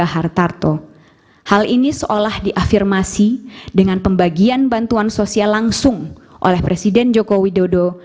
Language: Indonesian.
hal ini seolah diafirmasi dengan pembagian bantuan sosial langsung oleh presiden joko widodo